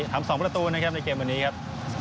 ทำ๒ประตูนะครับในเกมวันนี้ครับ